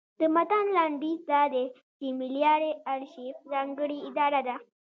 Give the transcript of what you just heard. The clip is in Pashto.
د متن لنډیز دا دی چې ملي ارشیف ځانګړې اداره ده.